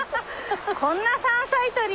こんな山菜採り？